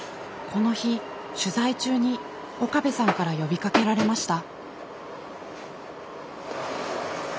この日取材中に岡部さんから呼びかけられました。